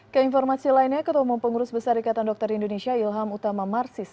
keinformasi lainnya ketua umum pengurus besar ikatan dokter indonesia ilham utama marsis